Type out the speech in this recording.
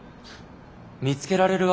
見つけられるわけない。